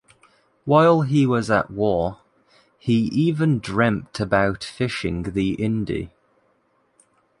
While he was at war, he even dreamt about fishing the Indi.